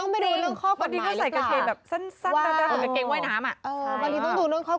ไม่ใช่จริง